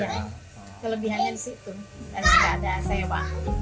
iya kelebihannya disitu dan gak ada sewa